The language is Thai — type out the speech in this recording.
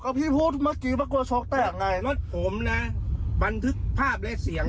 ก็พี่พูดเมื่อกี้ปกติโชคแตกไงรถผมน่ะบันทึกภาพและเสียง